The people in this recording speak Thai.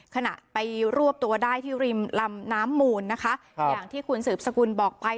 ขณะไปรวบตัวได้ที่ริมลำน้ำมูลนะคะอย่างที่คุณสืบสกุลบอกไป